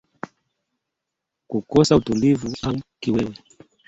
Kukosa utulivu au Kiwewe